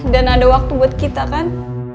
dan ada waktu buat kita kan